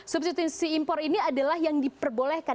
substitusi impor ini adalah yang diperbolehkan